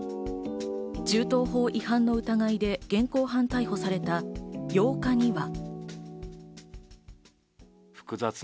銃刀法違反の疑いで現行犯逮捕された８日には。